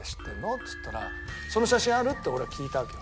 っつったら「その写真ある？」って俺は聞いたわけよ。